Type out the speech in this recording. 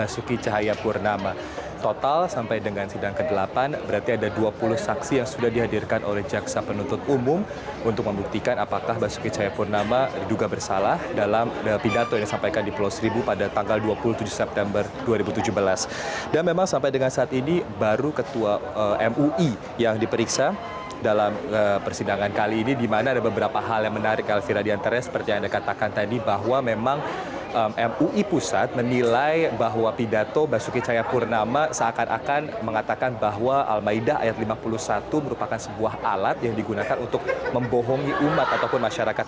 sebagai alat pembohongan